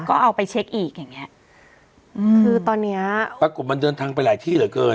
ก็เอาไปเช็คอีกอย่างเงี้ยอืมคือตอนเนี้ยปรากฏมันเดินทางไปหลายที่เหลือเกิน